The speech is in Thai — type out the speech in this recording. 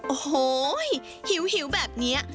โอ้โหหิวแบบนี้